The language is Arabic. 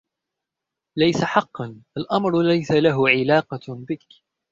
لَيسَ حَقَاً...الأمر لَيسَ لَهُ عِلاقةٌ بِكْ